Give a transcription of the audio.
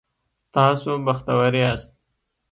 تاسو بختور یاست